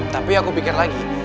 tapi aku pikir lagi